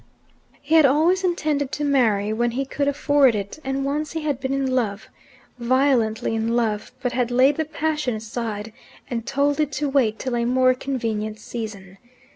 He had always intended to marry when he could afford it; and once he had been in love, violently in love, but had laid the passion aside, and told it to wait till a more convenient season.